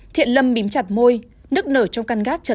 thiện lâm bím chặt môi nức nở trong căn gác